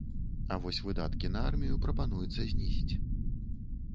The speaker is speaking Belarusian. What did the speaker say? А вось выдаткі на армію прапануецца знізіць.